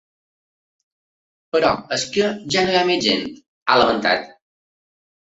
Però és que ja no hi ha més gent, ha lamentat.